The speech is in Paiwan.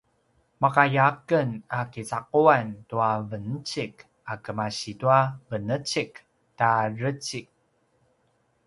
makaya aken a kica’uan tua venecik a kemasi tua venecik ta dreci